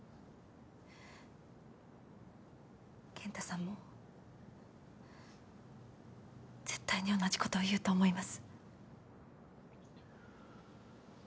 健太さんも絶対に同じことを言うと思います。